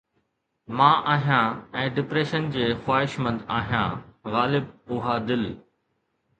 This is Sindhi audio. مان آهيان ۽ ڊپريشن جي خواهشمند آهيان، غالب! اها دل